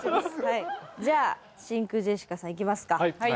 じゃあ真空ジェシカさんいきますか。